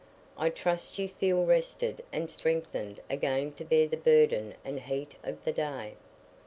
"I trust you feel rested and strengthened again to bear the burden and heat of the day."